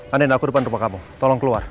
andin aku di depan rumah kamu tolong keluar